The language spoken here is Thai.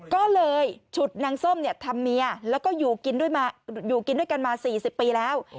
ก็เลยฉุดนางส้มทำเมียแล้วก็อยู่กินด้วยกันมา๔๐ปีแล้ว